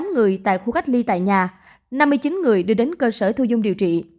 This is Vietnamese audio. tám người tại khu cách ly tại nhà năm mươi chín người đưa đến cơ sở thu dung điều trị